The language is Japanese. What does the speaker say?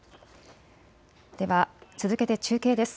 では続けて中継です。